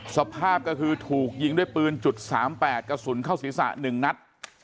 สภาพก็คือถูกยิงด้วยปืน๓๘กระสุนเข้าศีรษะ๑นัด